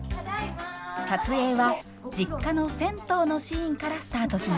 撮影は実家の銭湯のシーンからスタートしました。